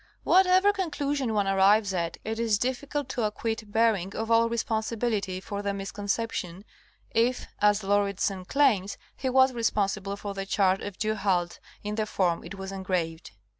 Whatever conclusion one arrives at, it is diffi cult to acquit Bering of all responsibility for the misconception, if, as Lauridsen claims, he was responsible for the chart of Du Halde in the form it was engraved.